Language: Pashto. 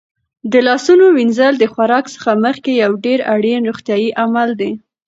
د لاسونو وینځل د خوراک څخه مخکې یو ډېر اړین روغتیايي عمل دی.